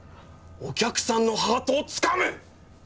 お客さんのハートをつかむ！